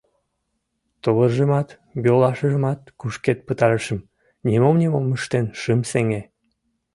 Тувыржымат, йолашыжымат кушкед пытарышым — нимом-нимом ыштен шым сеҥе.